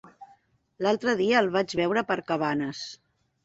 L'altre dia el vaig veure per Cabanes.